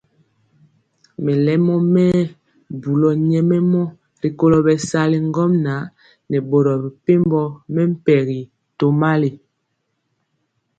Melemɔ mɛɛ bubuli nyɛmemɔ rikolo bɛsali ŋgomnaŋ nɛ boro mepempɔ mɛmpegi tomali.